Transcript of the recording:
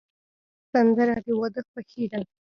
سندره د واده خوښي ده